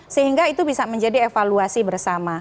sehingga itu bisa menjadi evaluasi bersama